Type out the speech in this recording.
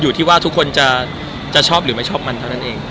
อยู่ที่ว่าทุกคนจะชอบไม่แหละ